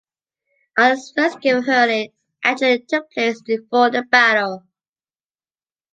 Ireland’s first game of hurling allegedly took place before the battle.